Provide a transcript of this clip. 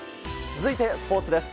続いてはスポーツです。